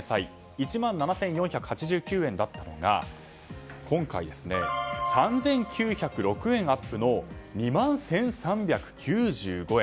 １万７４８９円だったのが今回、３９０６円アップの２万１３９５円。